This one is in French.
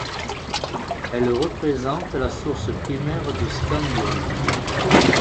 Elle représente la source primaire de scandium.